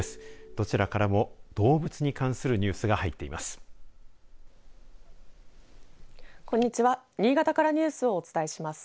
どちらからも、動物に関するニュースが入っています。